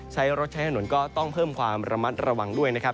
ใช้รถใช้ถนนก็ต้องเพิ่มความระมัดระวังด้วยนะครับ